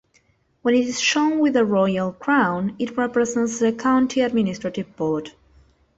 When it is shown with a royal crown it represents the County Administrative Board.